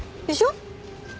でしょ？